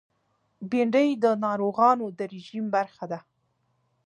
بېنډۍ د ناروغانو د رژیم برخه ده